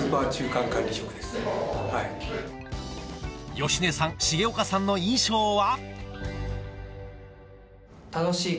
芳根さん重岡さんの印象は？